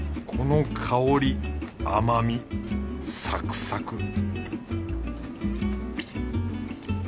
この香り甘みサクサク